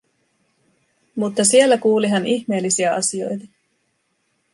Mutta siellä kuuli hän ihmeellisiä asioita.